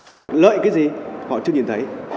trong khi đó thì họ đã trở thành doanh nghiệp